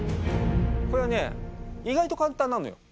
これはね意外と簡単なのよ。